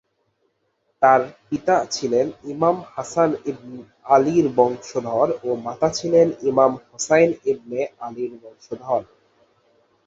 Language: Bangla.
তার পিতা ছিলেন ইমাম হাসান ইবন আলীর বংশধর ও মাতা ছিলেন ইমাম হোসাইন ইবনে আলীর বংশধর।